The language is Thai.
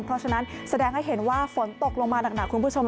เพราะฉะนั้นแสดงให้เห็นว่าฝนตกลงมาหนักคุณผู้ชม